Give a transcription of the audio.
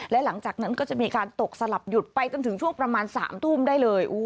และหลังจากนั้นก็จะมีการตกสลับหยุดไปจนถึงช่วงประมาณ๓ทุ่มได้เลย